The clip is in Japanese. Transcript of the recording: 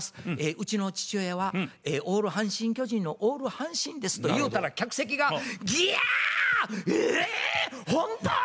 うちの父親はオール阪神・巨人のオール阪神です」と言うたら客席が「ギャー！えっ！ほんと！」